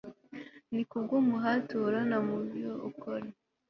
ni kubw'umuhate uhorana mubyo ukora